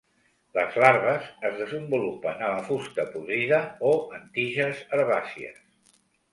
Les larves es desenvolupen a la fusta podrida o en tiges herbàcies.